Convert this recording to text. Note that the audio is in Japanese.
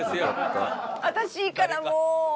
私いいからもう。